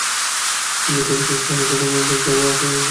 কিন্তু টবি সুস্থ হয়ে শুটিংয়ে যোগ দেওয়ায় জেকের সেই সুযোগ হয়নি।